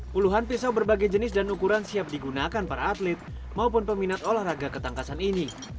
puluhan pisau berbagai jenis dan ukuran siap digunakan para atlet maupun peminat olahraga ketangkasan ini